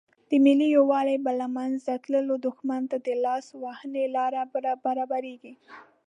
د ملي یووالي په له منځه تللو دښمن ته د لاس وهنې لارې برابریږي.